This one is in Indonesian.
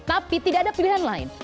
tapi tidak ada pilihan lain